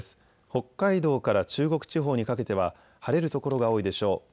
北海道から中国地方にかけては晴れる所が多いでしょう。